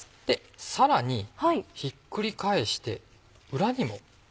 さらにひっくり返して裏にも。